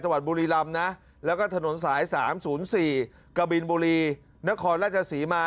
จังหวัดบุรีรำนะแล้วก็ถนนสายสามศูนย์สี่กะบินบุรีนครราชสีมา